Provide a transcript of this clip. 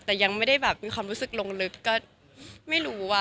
แต่ยังไม่ได้แบบมีความรู้สึกลงลึกก็ไม่รู้อะ